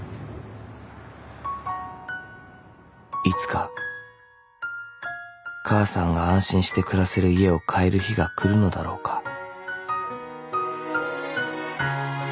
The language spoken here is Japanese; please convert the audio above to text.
［いつか母さんが安心して暮らせる家を買える日が来るのだろうか］